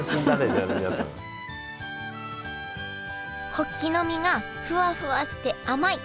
ホッキの身がフワフワして甘い。